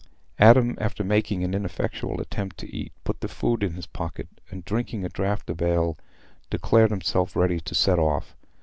Adam, after making an ineffectual attempt to eat, put the food in his pocket, and, drinking a draught of ale, declared himself ready to set off.